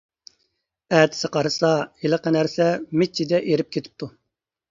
ئەتىسى قارىسا، ھېلىقى نەرسە مىچچىدە ئېرىپ كېتىپتۇ.